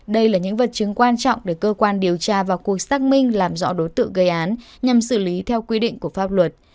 đây là những vật chứng quan trọng để cơ quan điều tra vào cuộc xác minh làm rõ đối tượng gây án nhằm xử lý theo quy định của pháp luật